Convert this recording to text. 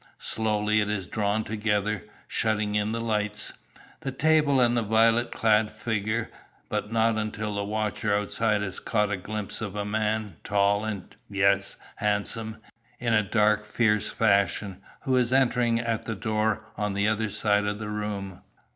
Slowly it is drawn together, shutting in the lights, the table and the violet clad figure, but not until the watcher outside has caught a glimpse of a man, tall and, yes, handsome, in a dark fierce fashion, who is entering at the door on the other side of the room.